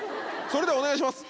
それではお願いします。